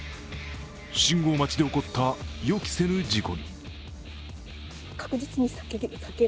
信号待ちで起こった予期せぬ事故。